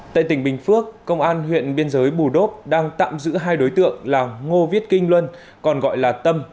tại tỉnh bình phước công an huyện biên giới bù đốp đang tạm giữ hai đối tượng là ngô viết kinh luân còn gọi là tâm